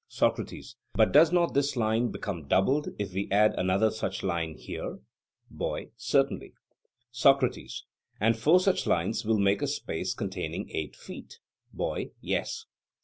SOCRATES: But does not this line become doubled if we add another such line here? BOY: Certainly. SOCRATES: And four such lines will make a space containing eight feet? BOY: Yes.